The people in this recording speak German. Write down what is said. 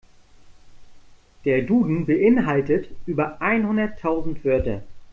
Der Duden beeinhaltet über einhunderttausend Wörter.